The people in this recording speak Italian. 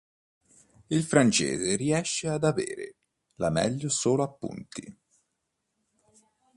Il francese riesce ad avere la meglio solo ai punti.